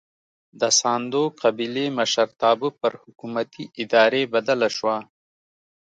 د ساندو قبیلې مشرتابه پر حکومتي ادارې بدله شوه.